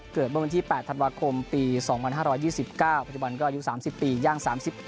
เกิดเมื่อวันที่๘ธันวาคมปี๒๕๒๙ปัจจุบันก็อายุ๓๐ปีย่าง๓๑